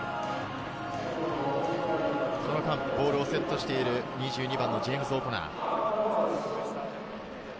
その間、ボールをセットしている２２番のジェームズ・オコナー。